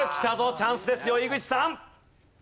チャンスですよ井口さん！